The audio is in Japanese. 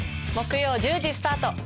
木曜１０時スタート。